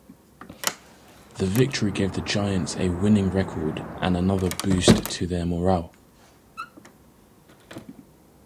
The victory gave the Giants a winning record and another boost to their morale.